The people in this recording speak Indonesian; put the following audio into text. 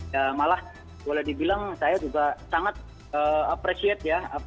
ya malah boleh dibilang saya juga sangat appreciate ya